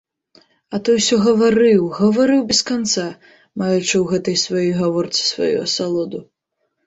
А той усё гаварыў, гаварыў без канца, маючы ў гэтай сваёй гаворцы сваю асалоду.